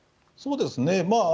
そうですね。